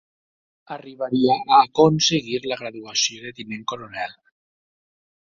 Arribaria a aconseguir la graduació de tinent coronel.